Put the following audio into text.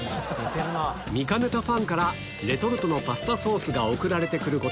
見かねたファンからレトルトのパスタソースが送られて来ることもあるが